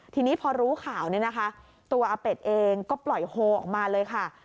ทีนี้พอรู้ข่าวตัวอเป็ดเองก็ปล่อยโฮลออกมาเลยค่ะ